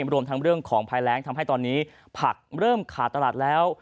รวมทั้งเรื่องของภายแรงทำให้ตอนนี้ผักเริ่มขาดตลาดแล้ว